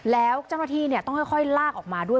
แล้วเจ้าหน้าที่ต้องค่อยลากออกมาด้วย